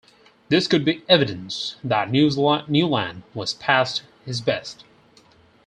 This could be evidence that Newland was past his best.